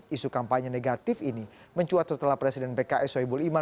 isu kampanye negatif ini mencuat setelah presiden pks soebul iman